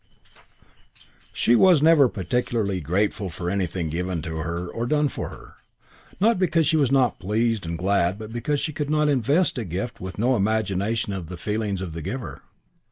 She was never particularly grateful for anything given to her or done for her; not because she was not pleased and glad but because she could invest a gift with no imagination of the feelings of the giver.